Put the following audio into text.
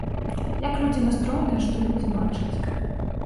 Як людзі настроеныя, што людзі бачаць?